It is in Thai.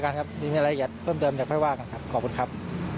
โอเคนั้นขอขอแค่นี้ก่อนละกันครับนะรายละเอียดเพิ่มเติมจากภาพก่อนขอบคุณครับ